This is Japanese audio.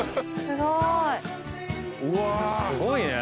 すごいね。